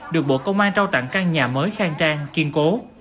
được bộ công an trao tặng căn nhà mới khang trang kiên cố